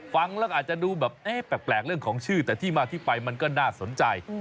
ฟังแล้วก็อาจจะดูแบบแปลกเรื่องของชื่อแต่ที่มาที่ไปมันก็น่าสนใจ